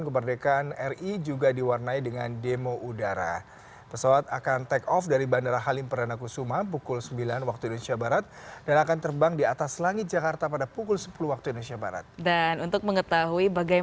pesawat tempur tni au